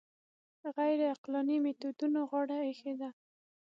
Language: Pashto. غیر عقلاني میتودونو غاړه ایښې ده